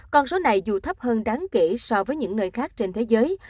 con số này dù thấp hơn đáng kể so với những nơi khác trên thế giới